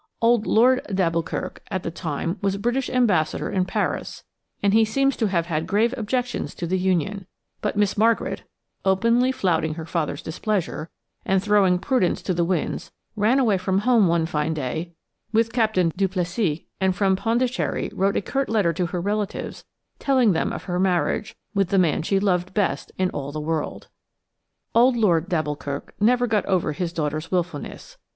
Old Lord d'Alboukirk at the time was British Ambassador in Paris, and he seems to have had grave objections to the union, but Miss Margaret, openly flouting her father's displeasure, and throwing prudence to the winds, ran away from home one fine day with Captain Duplessis, and from Pondicherry wrote a curt letter to her relatives telling them of her marriage with the man she loved best in all the world. Old Lord d'Alboukirk never got over his daughter's wilfulness.